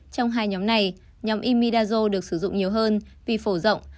trong hai nhóm này nhóm imidajo được sử dụng nhiều hơn vì phổ rộng